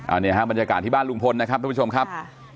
อันนี้ฮะบรรยากาศที่บ้านลุงพลนะครับทุกผู้ชมครับ